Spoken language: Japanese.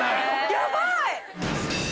ヤバい！